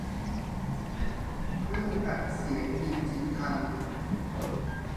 เครื่องอัดเสียงดิจิทัล